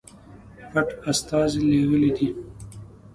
پټ استازي لېږلي دي.